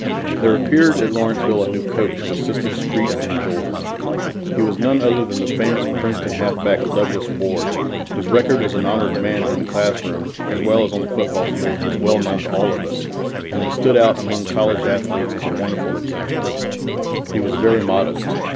There appeared at Lawrenceville a new coach who assisted Street and George. He was none other than the famous Princeton halfback, Douglas Ward, whose record as an honored man in the classroom as well as on the football field was well known to all of us, and had stood out among college athletes as a wonderful example. He was very modest.